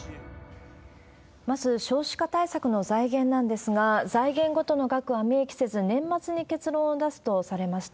まず、少子化対策の財源なんですが、財源ごとの額は明記せず、年末に結論を出すとされました。